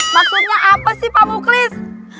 maksudnya apa sih pak muklis